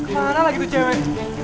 ke mana lagi tuh cewek